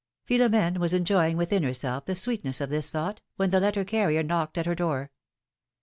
" Philom^ne was enjoying within herself the sweetness of this thought, when the letter carrier knocked at her door.